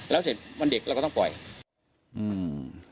แล้วเสร็จวันเด็กเราก็ต้องปล่อยอืม